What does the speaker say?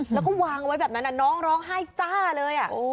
แล้วก็วางไว้แบบนั้นน้องร้องไห้จ้าเลย